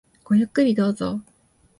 ごゆっくりどうぞ。